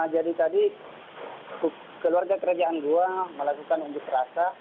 jadi tadi keluarga kerajaan goa melakukan unjuk rasa